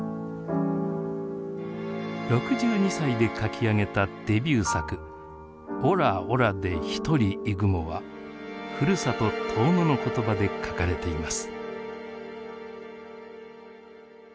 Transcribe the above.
６２歳で書き上げたデビュー作「おらおらでひとりいぐも」はふるさと遠野の言葉で書かれています。